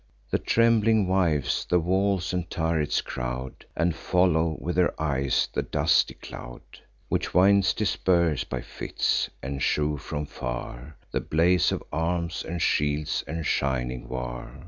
The trembling wives the walls and turrets crowd, And follow, with their eyes, the dusty cloud, Which winds disperse by fits, and shew from far The blaze of arms, and shields, and shining war.